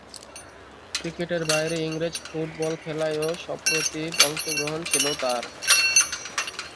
ক্রিকেটের বাইরে ইংরেজ ফুটবল খেলায়ও সপ্রতিভ অংশগ্রহণ ছিল তার।